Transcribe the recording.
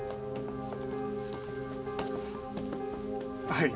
はい。